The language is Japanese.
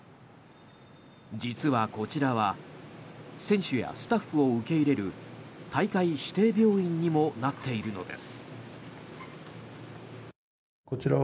実はこちらは選手やスタッフを受け入れる大会指定病院にもなっているのです。